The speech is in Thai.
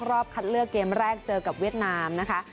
รอบคัดเลือกเกมแรกเจอกับเวียดนามนะคะ